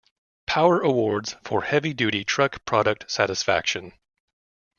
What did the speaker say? Power Awards for Heavy Duty Truck Product Satisfaction.